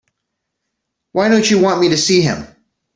Why don't you want me to see him?